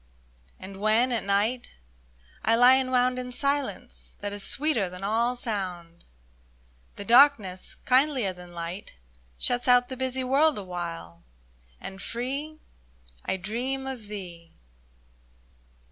And when, at night, I lie enwound In silence that is sweeter than all sound, The darkness, kindlier than light, MY DREAM Shuts out the busy world awhile, and free, I dream of thee